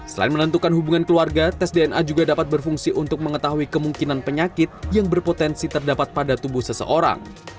selain menentukan hubungan keluarga tes dna juga dapat berfungsi untuk mengetahui kemungkinan penyakit yang berpotensi terdapat pada tubuh seseorang